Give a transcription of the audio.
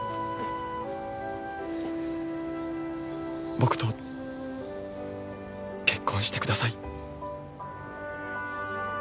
僕と結婚してください。